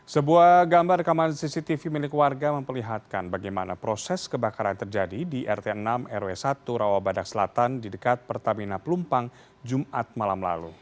sebuah gambar rekaman cctv milik warga memperlihatkan bagaimana proses kebakaran terjadi di rt enam rw satu rawabadak selatan di dekat pertamina pelumpang jumat malam lalu